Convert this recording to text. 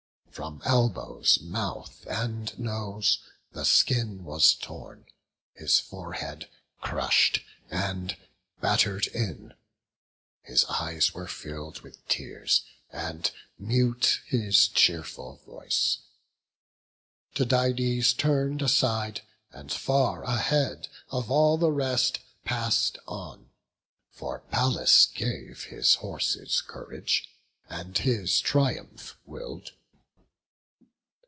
From elbows, mouth, and nose, the skin was torn; His forehead crush'd and batter'd in; his eyes Were fill'd with tears, and mute his cheerful voice. Tydides turn'd aside, and far ahead Of all the rest, pass'd on; for Pallas gave His horses courage, and his triumph will'd.